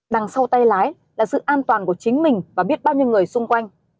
đằng sau tay lái là sự an toàn của chính mình và biết bao nhiêu người xung quanh